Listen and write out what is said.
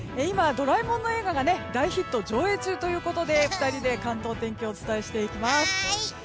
今、ドラえもんの映画が大ヒット上映中ということで２人で関東のお天気をお伝えしていきます。